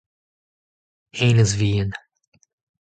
hennezh vihan.